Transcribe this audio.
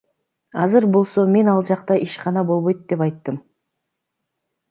Азыр болсо мен ал жакта ишкана болбойт деп айттым.